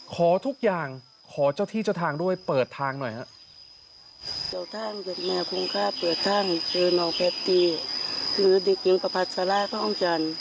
ขอทุกอย่างขอเจ้าที่เจ้าทางด้วยเปิดทางหน่อยครับ